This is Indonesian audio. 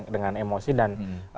dengan emosi dan